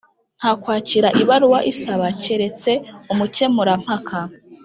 Nta kwakira ibaruwa isaba keretse umukemurampaka